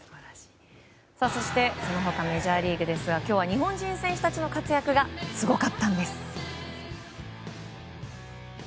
そしてその他メジャーリーグですが今日は日本人選手たちの活躍がすごかったんです。